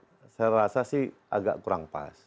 sebagai apa namanya alat saya rasa sih agak kurang pas